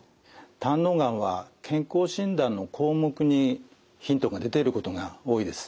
胆のうがんは健康診断の項目にヒントが出ていることが多いです。